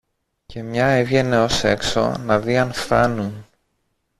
και μια έβγαινε ως έξω να δει αν φθάνουν